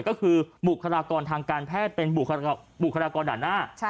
ก็คือบุคลากรทางการแพทย์เป็นบุคลากรด่านหน้า